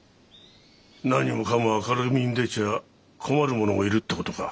何もかも明るみに出ちゃ困る者もいるって事か。